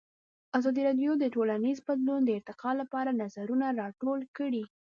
ازادي راډیو د ټولنیز بدلون د ارتقا لپاره نظرونه راټول کړي.